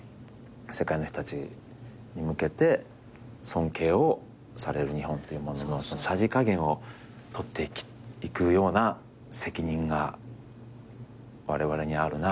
世界の人たちに向けて尊敬をされる日本というもののさじ加減をとっていくような責任がわれわれにあるなと思ってますね。